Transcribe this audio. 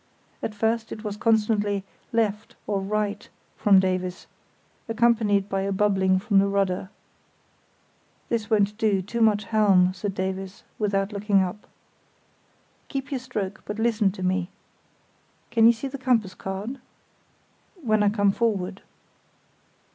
At first it was constantly "left" or "right" from Davies, accompanied by a bubbling from the rudder. "This won't do, too much helm," said Davies, without looking up. "Keep your stroke, but listen to me. Can you see the compass card?" "When I come forward."